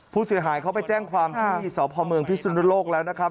ผู้เสียหายเขาไปแจ้งความที่สพเมืองพิสุนโลกแล้วนะครับ